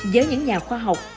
giới những nhà khoa học